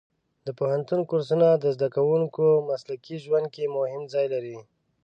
د پوهنتون کورسونه د زده کوونکو مسلکي ژوند کې مهم ځای لري.